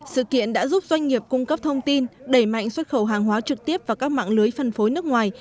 sự kiện đã giúp doanh nghiệp cung cấp thông tin đẩy mạnh xuất khẩu hàng hóa trực tiếp vào các mạng lưới phân phối nước ngoài